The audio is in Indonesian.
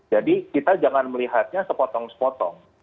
kita jangan melihatnya sepotong sepotong